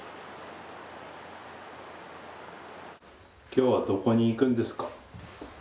きょうはどこに行くんですか？